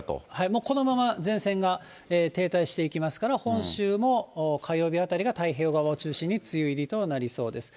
もうこのまま前線が停滞していきますから、本州も火曜日あたりが太平洋側を中心に、梅雨入りとなりそうです。